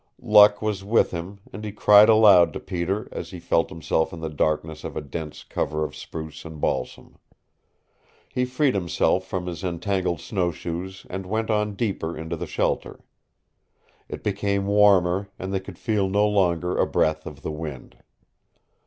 Luck was with him and he cried aloud to Peter as he felt himself in the darkness of a dense cover of spruce and balsam. He freed himself from his entangled snowshoes and went on deeper into the shelter. It became warmer and they could feel no longer a breath of the wind.